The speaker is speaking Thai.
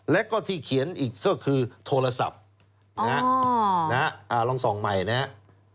แล้วก็ที่เขียนอีกก็คือโทรศัพท์นะฮะลองส่องใหม่นะครับ